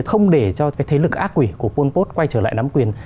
không để cho cái thế lực ác quỷ của pol pot quay trở lại nắm quyền